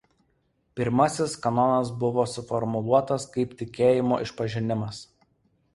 Pirmasis kanonas buvo suformuluotas kaip tikėjimo išpažinimas.